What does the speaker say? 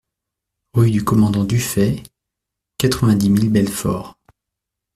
Rue du Commandant Dufay, quatre-vingt-dix mille Belfort